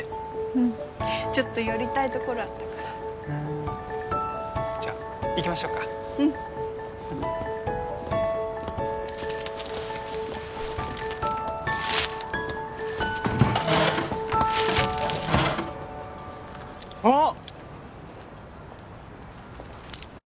うんちょっと寄りたいところあったからふんじゃあ行きましょうかうんあっ！